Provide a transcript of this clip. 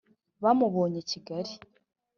bamubonye i kigali